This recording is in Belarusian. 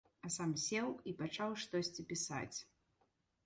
А сам сеў і пачаў штосьці пісаць.